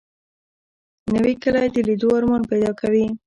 نوې کلی د لیدو ارمان پیدا کوي